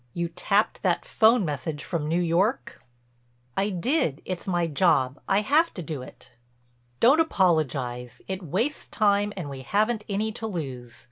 You tapped that 'phone message from New York?" "I did—it's my job. I have to do it." "Don't apologize—it wastes time and we haven't any to lose.